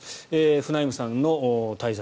フナイムさんの対策。